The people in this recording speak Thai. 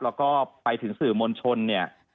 แล้วก็ไปถึงสื่อมวลชนเนี่ย